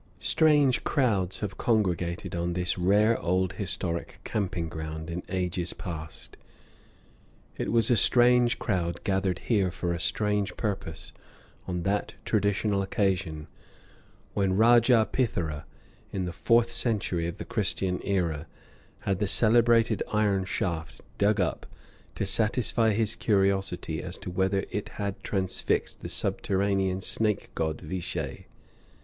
Strange crowds have congregated on this rare old historic camping ground in ages past. It was a strange crowd, gathered here for a strange purpose, on that traditional occasion, when Rajah Pithora, in the fourth century of the Christian era, had the celebrated iron shaft dug up to satisfy his curiosity as to whether it had transfixed the subterranean snake god Vishay.